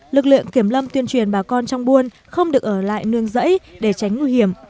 lực lượng kiểm lâm tuyên truyền bà con trong buôn không được ở lại nương rẫy để tránh nguy hiểm